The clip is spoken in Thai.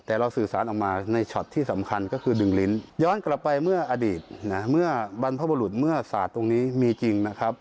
แต่เราสื่อสารออกมาในช็อตที่สำคัญก็คือดึงลิ้นย้อนกลับไปเมื่ออดีตนะเมื่อบรรพบุรุษเมื่อศาสตร์ตรงนี้มีจริงนะครับ